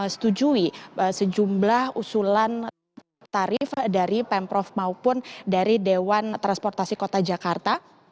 setujui sejumlah usulan tarif dari pemprov maupun dari dewan transportasi kota jakarta